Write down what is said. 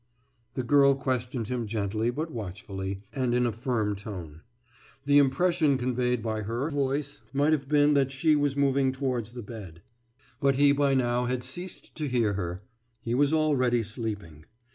« The girl questioned him gently, but watchfully, and in a firm tone. The impression conveyed by her voice might have been that she was moving towards the bed. But he by now had ceased to hear her; he was already sleeping.